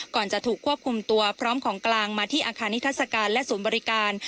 จะถูกควบคุมตัวพร้อมของกลางมาที่อาคารนิทัศกาลและศูนย์บริการ